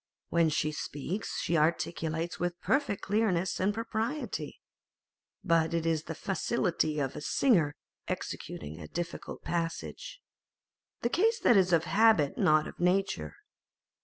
When she speaks, she articulates with perfect clearness and propriety, but it is the facility of a singer executing a difficult passage. The case is that of habit, not of nature.